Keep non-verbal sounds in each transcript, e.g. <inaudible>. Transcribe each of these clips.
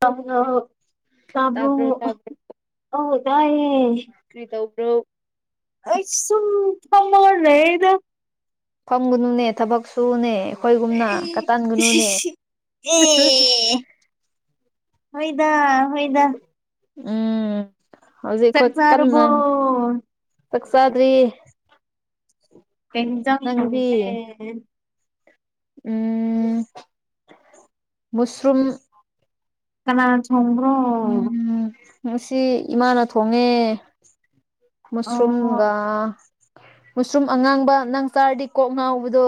ꯇꯥꯕꯔꯣ ꯇꯥꯕꯔꯣ ꯇꯥꯕ꯭ꯔꯣ ꯇꯥꯕ꯭ꯔꯣ ꯑꯥꯎ ꯇꯥꯏꯌꯦ ꯀꯔꯤ ꯇꯧꯕ꯭ꯔꯣ ꯑꯁꯨꯝ ꯐꯝꯃꯒ ꯂꯩꯌꯦꯗ ꯐꯝꯒꯅꯨꯅꯦ ꯊꯕꯛ ꯁꯨꯅꯦ ꯑꯦ ꯑꯩꯈꯣꯏꯒꯨꯝꯅ ꯀꯇꯟꯒꯅꯨꯅꯦ <inaudible> ꯍꯣꯏꯗ ꯍꯣꯏꯗ ꯎꯝ ꯍꯧꯖꯤꯛ ꯆꯥꯛ ꯑꯩꯈꯣꯏ ꯆꯥꯔꯕꯣ ꯀꯟꯅ ꯆꯥꯛ ꯆꯥꯗ꯭ꯔꯤ ꯀꯩ ꯌꯦꯟꯖꯥꯡ ꯅꯪꯗꯤ ꯊꯣꯡꯒꯦ ꯎꯝ ꯃꯨꯁ꯭ꯔꯨꯝ ꯀꯅꯥꯅ ꯊꯣꯡꯕꯔꯣ ꯎꯝ ꯉꯁꯤ ꯏꯃꯥꯅ ꯊꯣꯡꯉꯦ ꯃꯁꯔꯨꯝꯒ ꯑꯣ ꯃꯨꯁꯔꯨꯝ ꯑꯉꯥꯡꯕ ꯅꯪꯆꯥꯔꯗꯤ ꯀꯣꯛ ꯉꯥꯎꯕꯗꯣ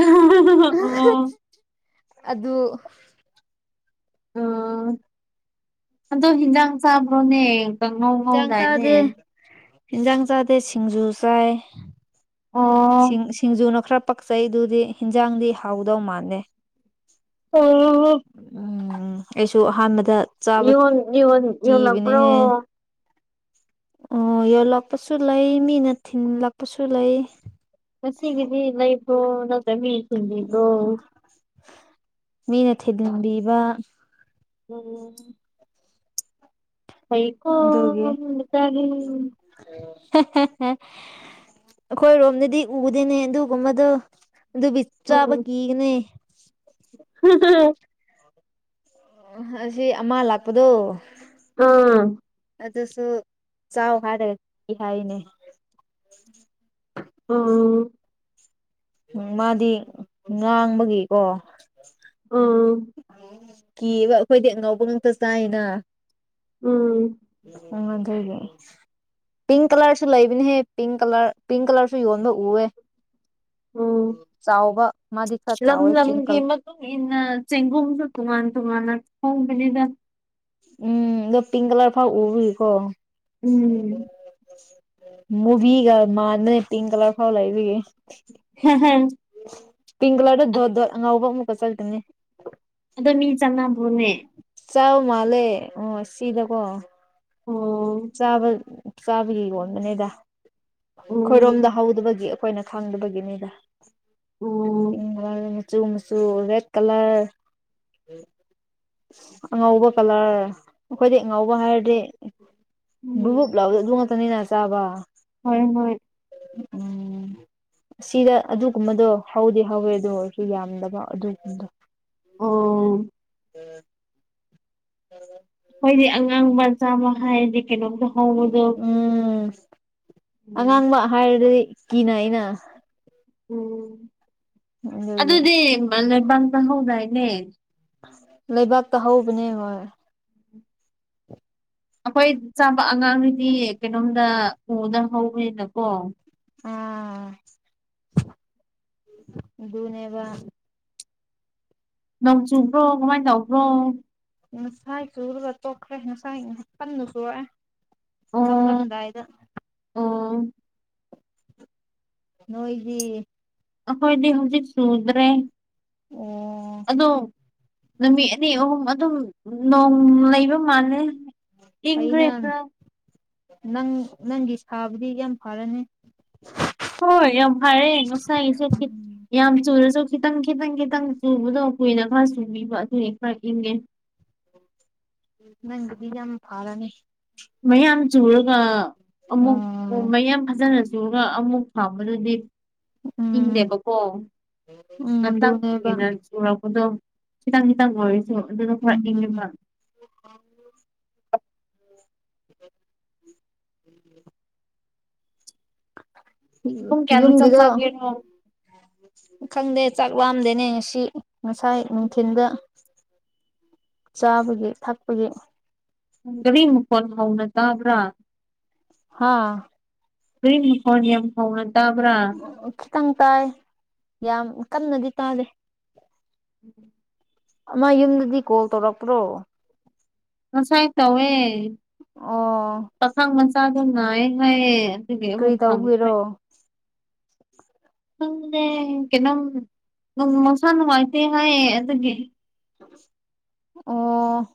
ꯑꯣ ꯑꯣ ꯑꯗꯨ ꯎ ꯍꯟꯗꯛ ꯍꯤꯟꯖꯥꯡ ꯆꯥꯕ꯭ꯔꯣꯅꯦ ꯀꯥꯡꯉꯧ ꯉꯧꯗꯥꯏꯅꯦ ꯍꯦꯟꯖꯥꯡ ꯆꯥꯗꯦ ꯁꯤꯡꯖꯨ ꯆꯥꯏ ꯑꯣ ꯁꯤꯡꯁꯤꯡꯖꯨꯅ ꯈꯔ ꯄꯛꯆꯩꯗꯨꯗꯤ ꯍꯤꯟꯖꯥꯡꯗꯤ ꯍꯥꯎꯗꯧ ꯃꯥꯟꯗꯦ ꯑꯣ ꯎꯝ ꯑꯩꯁꯨ ꯑꯍꯥꯟꯕꯗ ꯆꯥꯕ ꯌꯣꯟ ꯌꯣꯟ ꯌꯣꯜꯂꯛꯄ꯭ꯔꯣ ꯀꯤꯕꯅꯦꯍꯦ ꯑꯣ ꯌꯧꯜꯂꯛꯄꯁꯨ ꯂꯩ ꯃꯤꯅ ꯊꯤꯟꯂꯛꯄꯁꯨꯂꯩ ꯉꯥꯁꯤꯒꯤꯗꯤ ꯂꯩꯕꯔꯣ ꯅꯠꯇ꯭ꯔꯒ ꯃꯤꯅ ꯊꯤꯟꯕꯤꯕꯔꯣ ꯃꯤꯅ ꯊꯤꯟꯕꯤꯕ ꯑꯣꯝ <inaudible> ꯐꯩꯀꯣ ꯃꯤꯃꯆꯥꯗꯤ ꯍꯦꯍꯦꯍꯦ ꯑꯩꯈꯣꯏ ꯔꯣꯝꯗꯗꯤ ꯎꯗꯦꯅꯦ ꯑꯗꯨꯒꯨꯝꯕꯗꯣ ꯑꯗꯨꯒꯤ ꯆꯥꯕ ꯀꯤꯌꯦꯅꯦ ꯍꯦꯍꯦ <inaudible> ꯉꯁꯦ ꯑꯃ ꯂꯥꯛꯄꯗꯣ ꯎꯝ ꯑꯗꯨꯁꯨ ꯆꯥꯎ ꯍꯥꯏꯔꯒ ꯀꯤ ꯍꯥꯏꯌꯦꯅꯦ ꯎꯝ ꯎꯝ ꯃꯥꯗꯤ ꯉꯥꯡꯕꯒꯤꯀꯣ ꯎꯝ ꯀꯤꯕ ꯑꯩꯈꯣꯏꯗꯤ ꯉꯧꯕ ꯉꯥꯛꯇ ꯆꯥꯏꯅ ꯎꯝ ꯎꯗꯒꯦ <inaudible> ꯄꯤꯡ ꯀꯂꯔꯁꯨ ꯂꯩꯕꯅꯦꯍꯦ ꯄꯤꯡ ꯀꯂꯔ ꯄꯤꯡ ꯀꯂꯔꯁꯨ ꯌꯣꯟꯕ ꯎꯋꯦ ꯆꯥꯎꯕ ꯃꯥꯗꯤ ꯈꯔ ꯆꯥꯎꯋꯦ ꯄꯤꯡꯒꯜ ꯅ ꯆꯦꯡꯒꯣꯁꯨ ꯇꯨ ꯃꯥꯅ ꯇ ꯃꯥꯟ ꯐꯣꯡꯅꯤꯗ ꯎꯝ ꯑꯗꯣ ꯄꯤꯡ ꯀꯂꯔ ꯐꯥꯎ ꯎꯀꯣ ꯎꯝ ꯃꯨꯚꯒ ꯃꯥꯥꯟꯗꯅꯦ ꯄꯤꯡ ꯀꯂꯔ ꯐꯥꯎ ꯂꯩꯁꯤꯒ ꯍꯝ ꯍꯝ <inaudible> ꯄꯤꯡ ꯀꯂꯔꯗ ꯉꯎꯕ ꯃꯨꯀꯠ ꯆ ꯍꯥꯏꯅꯤ ꯑꯗꯣ ꯃꯤ ꯆꯅꯥꯕꯨꯅꯦ ꯆꯥꯎ ꯃꯥꯜꯂꯦ ꯑꯣ ꯁꯤꯗꯀꯣ ꯑꯣ ꯆꯥꯕ ꯆꯥꯕꯒꯤ ꯌꯣꯟꯕꯅꯤꯗ ꯎꯝ ꯈꯣꯏꯔꯣꯝꯗ ꯍꯧꯗꯕꯒꯤ ꯑꯩꯈꯣꯏꯅ ꯐꯪꯗꯕꯒꯤꯅꯤꯗ ꯎꯝ ꯏꯦ ꯃꯆꯨ ꯃꯨꯆꯨ ꯔꯦꯠ ꯀꯂꯔ ꯑꯉꯧꯕ ꯀꯂꯔ ꯑꯩꯈꯣꯏꯗꯤ ꯑꯉꯧꯕ ꯍꯥꯏꯔꯗꯤ ꯎꯝ ꯞ ꯂꯥꯎꯗ ꯑꯗꯨ ꯉꯥꯛꯛꯇꯅꯤꯅ ꯆꯥꯕ ꯍꯣꯏ ꯍꯣꯏ ꯎꯝ ꯑꯁꯤꯗ ꯑꯗꯨꯒꯨꯝꯕꯗꯣ ꯍꯧꯗꯤ ꯍꯧꯋꯦ ꯑꯗꯨ ꯑꯣꯏꯔꯁꯨ ꯌꯥꯝꯗꯕ ꯑꯗꯨꯒꯗꯣ ꯑꯣ ꯑꯣ ꯑꯩꯈꯣꯏꯗꯤ ꯑꯉꯥꯡ ꯃꯆꯥꯕ ꯍꯥꯏꯔꯗꯤ ꯀꯩꯅꯣꯝꯇ ꯍꯧꯕꯗꯣ ꯎꯝ ꯎꯝ ꯑꯉꯥꯡꯕ ꯍꯥꯏꯔꯗꯤ ꯀꯤꯅ ꯑꯩꯅ ꯎꯝ ꯑꯗꯨꯒꯤ ꯑꯗꯨꯗꯤ ꯂꯩꯕꯥꯛ ꯆꯪꯍꯧꯗꯥꯏꯅꯦ ꯂꯩꯕꯥꯛꯇ ꯍꯧꯕꯅꯦ ꯍꯣꯏ ꯑꯩꯈꯣꯏ ꯆꯥꯕ ꯑꯉꯥꯡꯗꯨꯗꯤ ꯀꯩꯅꯣꯝꯗ ꯎꯗ ꯍꯧꯋꯦꯅꯀꯣ ꯑꯥ ꯑꯗꯨꯅꯦꯕ ꯅꯣꯡ ꯆꯨꯕ꯭ꯔꯣ ꯀꯃꯥꯏꯅ ꯇꯧꯕ꯭ꯔꯣ ꯉꯁꯥꯏ ꯆꯨꯔꯒ ꯇꯣꯛꯈ꯭ꯔꯦ ꯉꯁꯥꯏ ꯉꯍꯄꯟꯗꯨ ꯁꯨꯔꯑꯦ ꯑꯣ ꯅꯝꯂꯝꯗꯥꯏꯗ ꯑꯣ ꯅꯣꯏꯗꯤ ꯑꯩꯈꯣꯏꯗꯤ ꯍꯧꯖꯤꯛ ꯆꯨꯗ꯭ꯔꯦ ꯑꯣ ꯑꯗꯣ ꯅꯨꯃꯤꯠ ꯑꯅꯤ ꯑꯍꯨꯝ ꯑꯗꯨꯝ ꯅꯣꯡ ꯂꯩꯕ ꯃꯥꯜꯂꯦ ꯏꯪꯈ꯭ꯔꯦ ꯑꯩꯅ ꯈꯔ ꯅꯪ ꯅꯪꯒꯤ ꯁꯥꯕꯨꯗꯤ ꯌꯥꯝ ꯐꯔꯅꯤ ꯍꯣꯏ ꯌꯥꯝ ꯐꯔꯦ ꯉꯁꯥꯏꯁꯨꯈꯤ ꯎꯝ ꯌꯥꯝ ꯆꯨꯔꯁꯨ ꯈꯤꯇꯪ ꯈꯤꯇꯪ ꯈꯤꯇꯪ ꯆꯨꯕꯗꯣ ꯀꯨꯏꯅ ꯈꯔ ꯆꯨꯕꯤꯕ ꯑꯗꯨꯅꯤ ꯈꯔ ꯏꯪꯒꯦ ꯃꯒꯗꯤ ꯌꯥꯝ ꯐꯥꯔꯅꯤ ꯃꯌꯥꯝ ꯆꯨꯔꯒ ꯑꯃꯨꯛ ꯎꯝ ꯃꯌꯥꯝ ꯐꯖꯅ ꯆꯨꯔꯒ ꯑꯃꯨꯛ ꯑꯗꯨꯗꯤ ꯎꯝ ꯏꯤꯡꯗꯦꯕꯀꯣ ꯎꯝ ꯉꯇ ꯑꯗꯨꯅꯦꯕ ꯀꯨꯏꯅ ꯎꯔꯛꯄꯗꯣ ꯈꯤꯇꯪ ꯈꯤꯇꯪ ꯑꯣꯏꯔꯤꯁꯨ ꯑꯗꯨꯅ ꯈꯔ ꯎꯝ ꯏꯪꯉꯦꯕ ꯄꯨꯡ ꯀꯌꯥꯗ ꯆꯥꯛ ꯌꯧꯝꯒꯤꯗꯣ ꯆꯥꯒꯦꯔꯣ ꯈꯪꯗꯦ ꯆꯥꯛ ꯋꯥꯝꯗꯦꯅꯦ ꯉꯁꯤ ꯉꯁꯥꯏ ꯅꯨꯡꯊꯤꯜꯗ ꯆꯥꯕꯒꯤ ꯊꯛꯄꯒꯤ ꯍꯪꯗꯕꯤ ꯃꯈꯣꯟ ꯍꯧꯅ ꯇꯥꯕ꯭ꯔꯥ ꯍꯥꯥ ꯀꯏ ꯃꯈꯣꯟ ꯌꯥꯝ ꯐꯣꯡꯅ ꯇꯥꯕ꯭ꯔꯥ ꯎ ꯈꯤꯇꯪ ꯇꯥꯏ ꯌꯥꯝ ꯀꯟꯅꯗꯤ ꯇꯥꯗꯦ ꯎꯝ <unintelligible> ꯃꯥ ꯌꯨꯝꯗꯗꯤ ꯀꯣꯜ ꯇꯧꯔꯛꯄ꯭ꯔꯣ ꯉꯁꯥꯏ ꯇꯧꯋꯦ ꯑꯣ ꯄꯥꯈꯪ ꯃꯆꯥꯗꯣ ꯉꯥꯏꯌꯦ ꯉꯥꯏꯌꯦ ꯁꯤꯀꯩ ꯀꯔꯤ ꯑꯃꯨꯛ ꯐꯪꯈꯔꯦ ꯇꯧꯕꯒꯤꯔꯣ ꯈꯪꯗꯦ ꯅꯪꯅꯣꯝ ꯅꯨꯡ ꯃꯁꯥ ꯅꯨꯡꯉꯥꯏꯇꯦ ꯍꯥꯏꯌꯦ ꯑꯗꯨꯒꯤ ꯑꯣ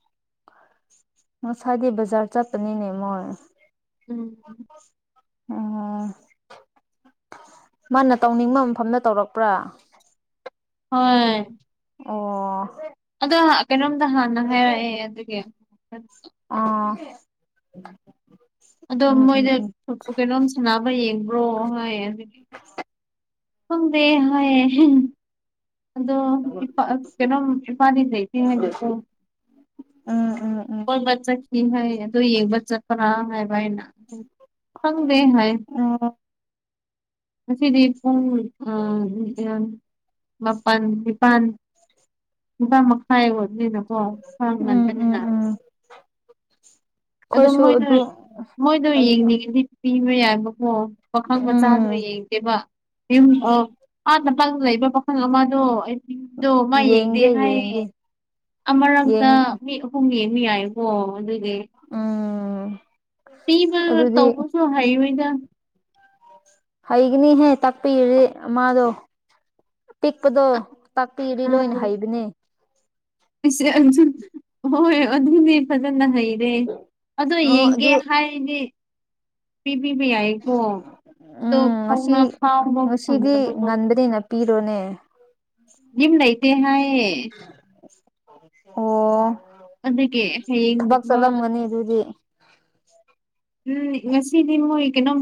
ꯉꯁꯥꯏꯗꯤ ꯕꯖꯥꯔ ꯆꯠꯄꯅꯤꯅꯦ ꯃꯣꯏ ꯎꯝ ꯑꯣ ꯃꯥꯅ ꯇꯧꯅꯤꯡꯕ ꯃꯐꯝꯗ ꯇꯧꯔꯛꯄ꯭ꯔꯥ ꯍꯣꯏ ꯑꯣ ꯑꯗꯣ ꯀꯩꯅꯣꯝꯗ ꯍꯥꯟꯅ ꯍꯥꯏꯔꯛꯑꯦ ꯑꯗꯨꯒꯤ ꯑꯥ ꯑꯗꯣ ꯎꯝ ꯎꯝ ꯃꯣꯏꯗꯨ ꯀꯩꯅꯣꯝ ꯁꯥꯟꯅꯕ ꯌꯦꯡꯕ꯭ꯔꯣ ꯍꯥꯏ ꯑꯗꯨꯒꯤ ꯈꯪꯗꯦ ꯍꯥꯏꯌꯦ ꯑꯗꯣ ꯏꯄꯥ ꯀꯩꯅꯣꯝ ꯏꯄꯥꯗꯤ ꯂꯩꯇꯦ ꯍꯥꯏꯕꯥꯀꯣ ꯎꯝ ꯎꯝ ꯎꯝ ꯀꯣꯏꯕ ꯆꯠꯈꯤ ꯍꯥꯏ ꯑꯗꯨ ꯌꯦꯡꯕ ꯆꯠꯄ꯭ꯔꯥ ꯍꯥꯏꯕ ꯑꯩꯅ ꯍꯪꯗꯦ ꯍꯥꯏꯌꯦ ꯑꯣ ꯉꯁꯤꯡꯗꯤ ꯄꯨꯡ ꯑ ꯑ ꯃꯥꯄꯟ ꯅꯤꯄꯥꯟ ꯅꯤꯄꯥꯟ ꯃꯈꯥꯏ ꯑꯣꯏꯕꯅꯤꯅ ꯑꯣ ꯊꯣꯡ ꯎꯝ ꯎꯝ ꯉꯟꯕꯅꯤꯅ ꯎꯝ ꯑꯗꯣ ꯑꯩꯈꯣꯏꯁꯨ ꯃꯣꯏꯗꯤ ꯑꯗꯨ ꯃꯣꯏꯗꯣ ꯌꯦꯡꯅꯤꯡꯉꯗꯤ ꯄꯤꯕ ꯌꯥꯏꯕꯀꯣ ꯄꯥꯈꯪ ꯃꯆꯥꯗ ꯎꯝ ꯌꯦꯡꯗꯦꯕ ꯌꯨꯝ ꯑꯃꯇꯪ ꯂꯩꯕ ꯄꯥꯈꯪ ꯑꯃꯗꯣ ꯑꯩ ꯃꯤꯡꯗꯣ ꯃꯥ ꯌꯦꯡꯗꯦ ꯍꯥꯏꯌꯦ ꯑꯃꯔꯛꯇ ꯌꯦꯡ ꯃꯤ ꯑꯍꯨꯝ ꯌꯦꯡꯕ ꯌꯥꯏꯀꯣ ꯑꯗꯨꯒꯤ ꯎꯝ ꯄꯤꯕ ꯑꯗꯨꯗꯤ ꯇꯧꯕꯁꯨ ꯍꯩꯔꯣꯏꯗ ꯍꯩꯒꯅꯤꯍꯦ ꯇꯥꯛꯄꯤꯔꯗꯤ ꯃꯥꯗꯣ ꯇꯤꯛꯄꯗꯣ ꯇꯥꯛꯄꯤꯔꯤ ꯂꯣꯏꯅ ꯎꯝ ꯍꯩꯕꯅꯦ ꯑꯩꯁꯦ ꯑꯗꯨ ꯍꯣꯏ ꯑꯗꯨꯅꯦ ꯐꯖꯅ ꯍꯩꯔꯦ ꯑꯗꯣ ꯑꯣ ꯌꯦꯡꯒꯦ ꯑꯗꯨ ꯍꯥꯏꯗꯤ ꯄꯕꯤꯕ ꯌꯥꯏꯀꯣ ꯑꯗꯣ ꯎꯝ ꯉꯁꯤ ꯐꯥꯎꯅ ꯐꯥꯎꯕ ꯉꯁꯤꯗꯤ ꯐꯪꯗꯕꯗꯣ ꯉꯟꯕꯅꯤꯅ ꯄꯤꯔꯣꯅꯦ ꯌꯨꯝ ꯅꯩꯇꯦ ꯍꯥꯏꯌꯦ ꯑꯣ ꯑꯗꯨꯒꯤ ꯊꯕꯛ ꯍꯌꯦꯡꯒꯨꯝꯕ ꯆꯠꯂꯝꯒꯅꯤ ꯑꯗꯨꯗꯤ ꯎꯝ ꯉꯁꯤꯗꯤ ꯃꯣꯏ ꯀꯩꯅꯣꯝ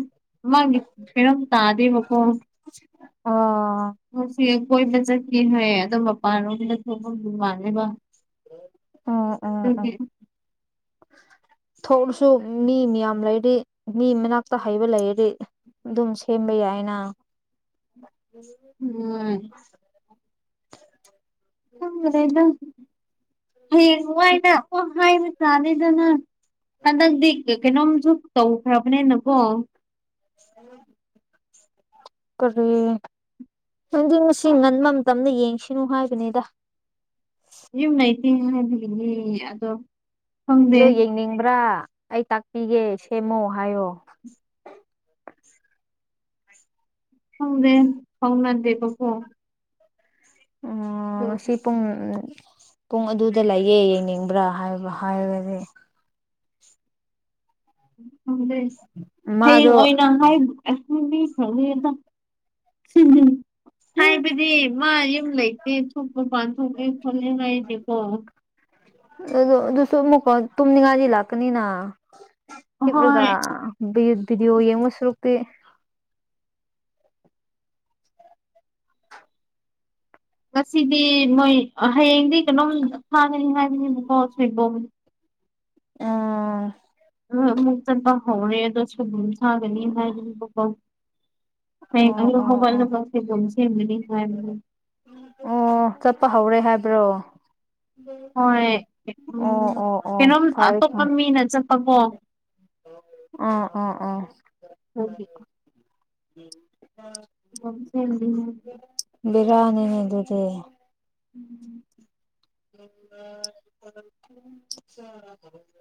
ꯃꯥꯒꯤ ꯀꯩꯅꯣꯝ ꯇꯥꯗꯦꯕꯀꯣ ꯑꯣ ꯉꯁꯤ ꯑꯩ ꯀꯣꯏꯕ ꯆꯠꯀꯦ ꯍꯥꯏꯌꯦ ꯑꯗꯣ ꯃꯄꯥꯟ ꯂꯣꯝꯗ ꯊꯣꯛꯄꯥꯒꯤ ꯃꯥꯜꯂꯦꯕ ꯎꯝ ꯎꯝ ꯎꯝ ꯑꯗꯨꯒꯤ <unintelligible> ꯊꯣꯛꯂꯁꯨ ꯃꯤ ꯃꯌꯥꯝ ꯂꯩꯔꯤ ꯃꯤ ꯃꯅꯥꯛꯇ ꯍꯩꯕ ꯂꯩꯔꯗꯤ ꯑꯗꯨꯝ ꯁꯦꯝꯕ ꯌꯥꯏꯅ ꯎꯝ ꯈꯪꯈ꯭ꯔꯦꯗ ꯍꯌꯦꯡ ꯋꯥꯏꯅꯥ ꯑꯣ ꯍꯥꯏꯕ ꯇꯥꯔꯦꯗꯅꯥ ꯍꯟꯗꯛꯇꯤ ꯀꯩꯅꯣꯝꯁꯨ ꯇꯧꯈ꯭ꯔꯕꯅꯤꯅꯀꯣ ꯍꯜꯂꯣ <inaudible> ꯀꯔꯤ ꯅꯪꯗꯤ ꯉꯁꯤ ꯉꯟꯕ ꯃꯇꯝꯗ ꯌꯦꯡꯁꯤꯅꯨ ꯍꯥꯏꯕꯅꯤꯗ ꯌꯨꯝ ꯂꯩꯇꯦ ꯍꯥꯏꯕꯒꯤꯅꯤ ꯑꯗꯣ ꯈꯪꯗꯦ ꯑꯗꯣ ꯌꯦꯡꯅꯤꯡꯕ꯭ꯔꯥ ꯑꯩ ꯇꯥꯛꯄꯤꯒꯦ ꯁꯦꯝꯃꯣ ꯍꯥꯏꯌꯣ ꯈꯪꯗꯦ ꯐꯥꯎꯅꯗꯦꯕꯀꯣ ꯑꯣ ꯑꯗꯣ ꯉꯁꯤ ꯄꯨꯡ ꯄꯨꯡ ꯑꯗꯨꯗ ꯂꯩꯌꯦ ꯌꯦꯡꯅꯤꯡꯕ꯭ꯔꯥ ꯍꯥꯏꯕ ꯍꯥꯏꯔꯒꯗꯤ ꯍꯌꯦꯡ ꯃꯥꯗꯣ ꯑꯣꯏꯅ ꯍꯥꯏ ꯑꯁꯤꯅꯤ ꯈꯪ ꯍꯥꯏꯕꯗꯤ ꯃꯥ ꯌ ꯂꯩꯇꯦ ꯊꯣꯛꯄ ꯄꯥꯟ ꯊꯣꯛꯂꯦ ꯈꯣꯠꯂꯉꯅꯦꯀꯣ ꯑꯗꯨ ꯑꯗꯨꯁꯨ ꯑꯃꯨꯛꯀ ꯇꯨꯝꯅꯤꯡꯉꯥꯗꯤ ꯂꯥꯛꯀꯅꯤꯅ ꯍꯤꯞꯂꯒ ꯍꯣꯏ ꯚꯤꯗꯤꯑꯣ ꯌꯦꯡꯕ ꯁꯨꯔꯨꯛꯇꯤ ꯉꯁꯤꯗꯤ ꯃꯣꯏ ꯍꯌꯦꯡꯗꯤ ꯀꯩꯅꯣꯝ ꯊꯥꯒꯅꯤ ꯍꯥꯏꯕꯅꯦꯕꯀꯣ ꯁꯣꯏꯕꯣꯅꯦ ꯑꯥ ꯑꯃꯨꯛ ꯆꯠꯄ ꯍꯧꯔꯦ ꯑꯗꯣ ꯁꯣꯏꯕꯨꯝ ꯁꯥꯒꯅꯤ ꯍꯥꯏꯗꯨꯅꯤ ꯑꯣ ꯑ ꯑꯣ ꯍꯋꯥꯜ ꯅ ꯑꯣ ꯄ ꯝꯁ ꯍꯥꯏ <inaudible> ꯑꯣ ꯆꯠꯄ ꯍꯧꯔꯦ ꯍꯥꯏꯕ꯭ꯔꯣ ꯍꯣꯏ ꯎꯝ ꯑꯣ ꯑꯣ ꯑꯣ ꯀꯩꯅꯣꯝ ꯐꯔꯦ ꯑꯇꯣꯞꯄ ꯐꯔꯦ ꯃꯤꯅ ꯆꯠꯄꯀꯣ ꯑꯥ ꯑꯗꯨꯒꯤ ꯑꯥ ꯎꯥ ꯍꯗꯤ ꯕꯤꯔꯌꯥꯅꯤꯅꯦ ꯑꯗꯨꯗꯤ ꯎꯝ <inaudible>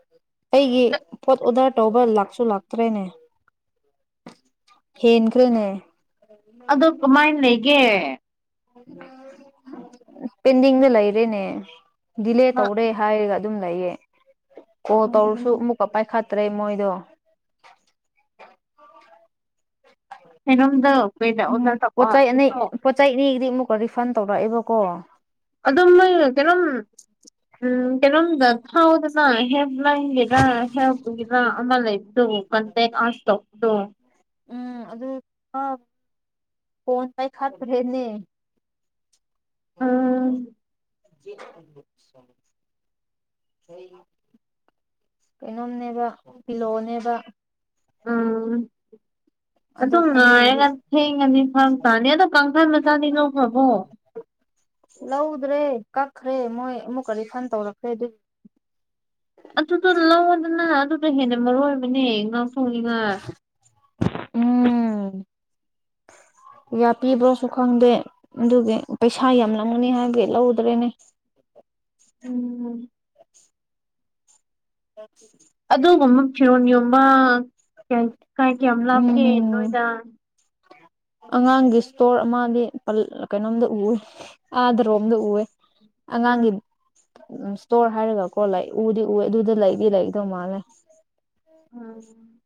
ꯑꯩꯒꯤ ꯄꯣꯠ ꯑꯣꯗꯔ ꯇꯧꯕ ꯂꯥꯛꯁꯨ ꯂꯥꯛꯇ꯭ꯔꯦꯅꯦ ꯍꯟꯈ꯭ꯔꯦꯅꯦ ꯑꯣ ꯀꯃꯥꯏꯅ ꯂꯩꯒꯦ ꯄꯦꯟꯗꯤꯡꯗ ꯂꯩꯔꯦꯅꯦ ꯗꯤꯂꯦ ꯇꯧꯔꯦ ꯍꯥꯏꯔꯒ ꯑꯗꯨꯝ ꯂꯩꯌꯦ ꯑꯣꯣ ꯇꯧꯔꯁꯨ ꯑꯃꯨꯛꯀ ꯄꯥꯏꯈꯠꯇ꯭ꯔꯦ ꯃꯣꯏꯗꯣ ꯎ ꯀꯩꯅꯣꯝꯗ ꯀꯣꯏ ꯑꯣꯗ ꯇ ꯄꯣꯠ ꯆꯩ ꯑꯅꯤꯒꯤꯗꯤ ꯑꯃꯨꯛꯀ ꯔꯤꯐꯟ ꯇꯧꯔꯛꯑꯦꯕꯀꯣ ꯑꯗꯨꯝ ꯃꯣꯏ ꯀꯩꯅꯣꯝ ꯎꯝ ꯀꯩꯅꯣꯝꯗ ꯍꯥꯎꯗꯅꯥ ꯍꯦꯕꯂ ꯍꯤꯗ ꯍꯦꯕꯗ ꯑꯂ ꯏ ꯀꯇꯦ ꯀꯥꯁ ꯇꯧ ꯑ ꯎꯝ ꯑꯗꯨ ꯐꯣꯟ ꯄꯥꯏꯈꯥꯠꯇ꯭ꯔꯦꯅꯦ ꯎꯝ <inaudible> ꯀꯩꯅꯣꯝꯅꯦꯕ ꯄꯤꯂꯣꯅꯦꯕ ꯑꯥ ꯑꯗꯨ ꯑꯗꯨꯝ ꯑꯅꯤꯒꯤꯗꯤ ꯉꯥꯏꯔꯒ ꯊꯦꯡꯉꯅꯤ ꯐꯪ ꯇꯥꯅꯤ ꯑꯗꯣ ꯀꯥꯡꯈꯜ ꯃꯆꯥꯅꯤ ꯅꯣꯕ꯭ꯔꯕꯣ ꯂꯧꯗ꯭ꯔꯦ ꯀꯛꯈ꯭ꯔꯦ ꯃꯣꯏ ꯑꯃꯨꯛꯀ ꯔꯤꯐꯟ ꯇꯧꯔꯛꯈ꯭ꯔꯦ ꯑꯗꯨ ꯑꯗꯨꯗꯣ ꯂꯧꯗꯅ ꯑꯗꯨꯗ ꯍꯦꯟꯅ ꯃꯔꯨ ꯑꯣꯏꯕꯅꯦ ꯉꯥꯡꯊꯣꯡꯅꯤꯅ ꯎꯝ ꯌꯥ ꯄꯕ꯭ꯔꯣꯁꯨ ꯈꯪꯗꯦ ꯑꯗꯨꯒꯤ ꯄꯩꯁꯥ ꯌꯥꯝ ꯂꯧꯒꯅꯤ ꯍꯥꯏꯕꯒꯤ ꯂꯧꯗ꯭ꯔꯦꯅꯦ ꯎꯝ ꯑꯣ ꯑꯗꯨꯒꯨꯝꯕ ꯐꯤꯔꯣ ꯌꯣꯟꯕ ꯀ ꯀꯥꯏ ꯀꯌꯥꯝ ꯂꯥꯞꯒꯦ ꯎꯝ ꯅꯣꯏꯗ ꯑꯉꯥꯡꯒꯤ ꯏꯁꯇꯣꯔ ꯑꯃꯗꯤ ꯀꯩꯅꯣꯝꯗ ꯎꯏ ꯑꯥꯗ꯭ꯔꯣꯕꯝꯗ ꯎꯔ ꯎꯝ ꯑꯉꯥꯡꯒꯤ ꯏꯁꯇꯣꯔ ꯍꯥꯏꯔꯒꯀꯣ ꯂ ꯎꯗꯤ ꯎꯋꯦ ꯑꯗꯨꯗ ꯂꯩꯗꯤ ꯂꯩꯗꯧ ꯃꯥꯜꯂꯦ ꯎꯝ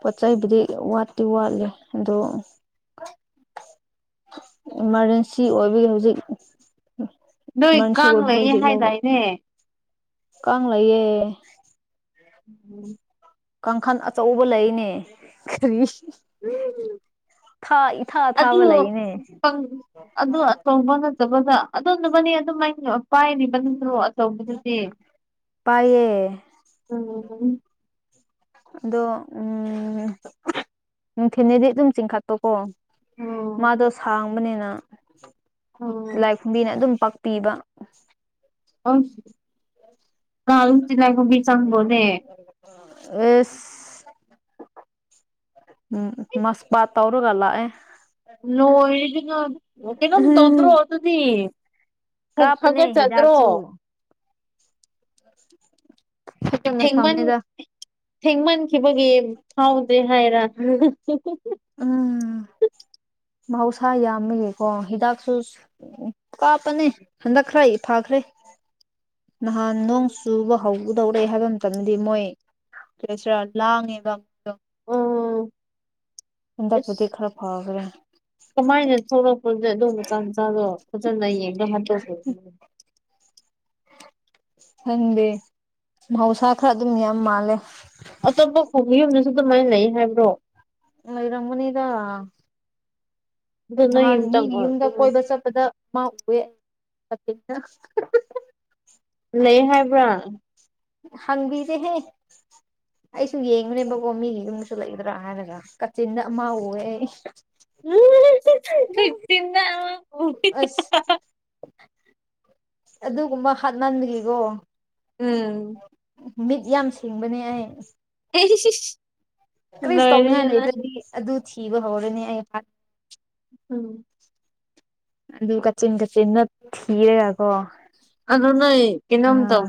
ꯄꯣꯠ ꯆꯩꯕꯨꯗꯤ ꯋꯥꯠꯇꯤ ꯋꯥꯠꯂꯤ ꯑꯗꯣ ꯏꯃꯥꯔꯖꯦꯟꯁꯤ ꯑꯣꯏꯕꯒꯤ ꯍꯧꯖꯤꯛ ꯏꯃꯥꯔꯖꯦꯟꯁꯤ ꯑꯣꯏꯕ ꯍꯧꯖꯤꯛ ꯂꯧꯕ ꯍ ꯀꯌꯦꯦ ꯎꯝ ꯀꯥꯡꯈꯜ ꯑꯆꯧꯕ ꯂꯩꯅꯦ ꯀꯔꯤ ꯎꯝ ꯊꯥ ꯏꯊꯥ ꯑꯗꯨ ꯊꯥꯕ ꯂꯩꯅꯦ ꯇꯧꯕ ꯅꯠꯇꯕꯗ ꯑꯗꯨ ꯅꯨꯕꯅꯦ ꯑꯗꯨꯝꯃꯥꯏ ꯄꯥꯏꯔꯤꯕ ꯅꯣ ꯇꯧꯕꯗꯨꯗꯤ ꯄꯥꯏꯌꯦ ꯎꯝ ꯑꯗꯣ ꯎꯝ ꯅꯨꯡꯊꯤꯅꯦꯗꯤ ꯑꯗꯨꯝ ꯆꯤꯡꯈꯠꯇꯣꯀꯣ ꯑꯣ ꯃꯥꯗꯣ ꯁꯥꯡꯕꯅꯤꯅ ꯑꯣ ꯇꯤꯂꯥꯏꯈꯨꯝꯕꯤꯅ ꯑꯗꯨꯝ ꯄꯥꯛꯄꯤꯕ ꯀ ꯇꯤꯅꯒꯃꯤ ꯆꯪꯕꯣꯅꯦ ꯑꯦꯁ ꯎꯝ ꯃꯁ ꯕꯥ ꯇꯧꯔꯣꯒ ꯑꯦ ꯅꯣꯏ ꯑꯗꯨꯅ ꯀꯩꯅꯣꯝ ꯇꯧꯗ꯭ꯔꯣ ꯑꯗꯨꯗꯤ ꯀꯥꯞꯄꯅꯦ ꯐꯒꯠ ꯆꯗ꯭ꯔꯣ ꯐꯅ ꯊꯦꯡꯃꯟ ꯁꯝꯅꯗ ꯊꯦꯡꯃꯟꯈꯤꯕꯒꯤ ꯐꯥꯎꯗ꯭ꯔꯦ ꯍꯥꯏꯔ ꯎꯝ ꯃꯍꯧꯁꯥ ꯌꯥꯝꯃꯦꯌꯦꯀꯣ ꯍꯤꯗꯥꯛꯁꯨ ꯎ ꯀꯥꯞꯄꯅꯦ ꯍꯟꯗꯛꯈ꯭ꯔ ꯐꯈ꯭ꯔꯦ ꯅꯍꯥꯟ ꯅꯣꯡ ꯆꯨꯕ ꯍꯧꯒꯗꯧꯔꯦ ꯍꯥꯏꯕ ꯃꯇꯝꯗꯗꯤ ꯃꯣꯏ ꯀꯦꯁꯔ ꯂꯥꯡꯉꯦꯕ <inaudible> ꯀꯗ ꯑꯁ ꯄꯨꯗꯤ ꯈꯔ ꯐꯥꯒ꯭ꯔꯦ ꯀꯃꯥꯏꯅ ꯊꯣꯛꯂꯛꯄꯗ ꯑꯗꯨꯗꯣ ꯃꯆꯥ ꯃꯆꯥꯗꯣ ꯐꯖꯅ ꯌꯦꯡꯗꯣ ꯍꯥꯠꯇꯣꯛꯛꯄ ꯈꯟꯗꯦ ꯃꯍꯧꯁꯥ ꯈꯔ ꯑꯗꯨꯝ ꯌꯥꯝ ꯃꯥꯜꯂꯦ ꯑꯇꯣꯞꯄ ꯈꯨꯡꯒꯤ ꯌꯨꯝꯗꯁꯨ ꯑꯗꯨꯃꯥꯏꯅ ꯂꯩ ꯍꯥꯏꯕ꯭ꯔꯣ ꯣꯏꯔꯃꯅꯤꯗ ꯑꯗꯨ ꯅꯣꯏ ꯅꯍꯥꯟ ꯌꯨꯝꯇꯪ ꯃꯤꯒꯤ ꯌꯨꯝꯗ ꯑꯗꯨꯝ ꯀꯣꯏꯕ ꯆꯠꯄꯗ ꯃꯥ ꯎꯑꯦ ꯃꯇꯦꯡꯅ ꯂꯩ ꯍꯥꯏꯕ꯭ꯔꯥ ꯍꯪꯕꯤꯗꯦ ꯍꯦ ꯑꯩꯁꯨ ꯌꯦꯡꯕꯅꯦꯕꯀꯣ ꯃꯤꯒꯤ ꯌꯨꯝꯗꯁꯨ ꯂꯩꯒꯗ꯭ꯔꯥ ꯍꯥꯏꯔꯒ ꯀꯥꯆꯤꯟꯅ ꯑꯃ ꯎꯑꯦ ꯑꯩ ꯎꯝꯇꯅ ꯑꯁ ꯑꯗꯨꯒꯨꯝꯕ ꯍꯥꯞꯅꯟꯒꯤꯀꯣ ꯎꯝ ꯃꯤꯠ ꯌꯥꯝ ꯁꯤꯡꯕꯅꯦ ꯑꯩ ꯑꯦꯁꯤ ꯀ꯭ꯔꯤꯁ ꯇꯧꯅꯤꯉꯥꯏ ꯂꯩꯗꯗꯤ ꯑꯗꯨ ꯊꯤꯕ ꯍꯧꯔꯅꯦ ꯑꯩ ꯎꯝ ꯑꯗꯨ ꯀꯆꯤꯟ ꯀꯆꯤꯟ ꯊꯤꯔꯦꯒꯀꯣ ꯑꯗꯨꯗꯣ ꯅ ꯀꯩꯅꯣ ꯇꯧ